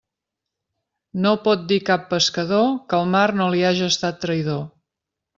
No pot dir cap pescador que el mar no li haja estat traïdor.